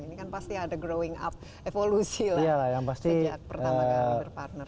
ini kan pasti ada growing up evolusi lah sejak pertama kali berpartner